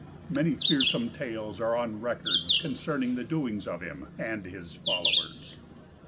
Many fearsome tales are on record concerning the doings of him and his followers.